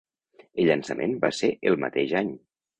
El llançament va ser el mateix any.